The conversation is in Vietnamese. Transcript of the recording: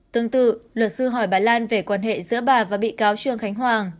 tương tự luật sư hỏi bà lan về quan hệ giữa bà và bị cáo trương khánh hoàng